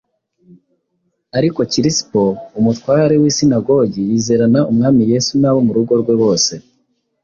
Ariko Kirisipo, umutware w’isinagogi, yizerana Umwami Yesu n’abo mu rugo rwe bose;